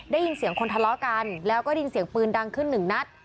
ได้ยินเสียงคนทะเลาะกันแล้วก็ได้ยินเสียงปืนดังขึ้นหนึ่งนัด